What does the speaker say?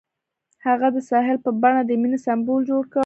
هغه د ساحل په بڼه د مینې سمبول جوړ کړ.